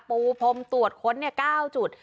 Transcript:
ปูพรมตรวจค้น๙จุด